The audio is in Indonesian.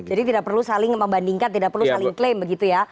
jadi tidak perlu saling membandingkan tidak perlu saling klaim begitu ya